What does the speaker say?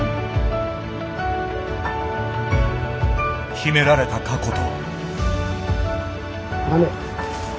秘められた過去と。